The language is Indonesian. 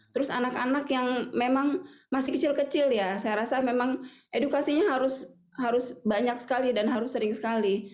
terus anak anak yang memang masih kecil kecil ya saya rasa memang edukasinya harus banyak sekali dan harus sering sekali